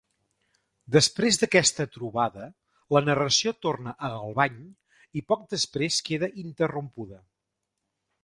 Després d'aquesta trobada, la narració torna a Galvany i poc després queda interrompuda.